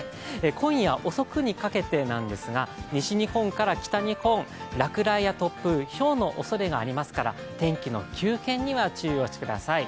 今夜遅くにかけてなんですが西日本から北日本、落雷や突風、ひょうのおそれがありますから天気の急変には注意をしてください。